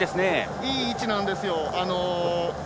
いい位置ですよ。